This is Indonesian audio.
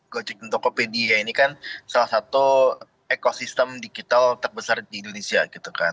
gojek tokopedia ini kan salah satu ekosistem digital terbesar di indonesia gitu kan